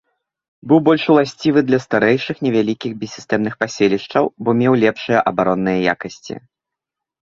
Быў больш уласцівы для старэйшых, невялікіх, бессістэмных паселішчаў, бо меў лепшыя абаронныя якасці.